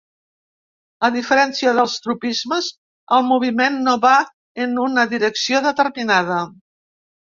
A diferència dels tropismes, el moviment no va en una direcció determinada.